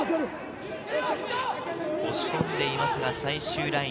押し込んでいますが、最終ライン。